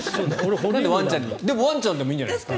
でもワンちゃんでもいいんじゃないですか。